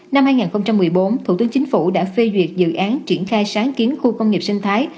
năm hai nghìn một mươi bốn thủ tướng chính phủ đã phê duyệt dự án triển khai sáng kiến khu công nghiệp sinh thái